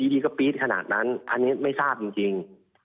ดีก็ปี๊ดขนาดนั้นอันนี้ไม่ทราบจริง